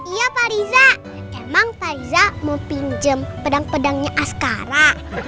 iya pak riza emang paiza mau pinjem pedang pedangnya askara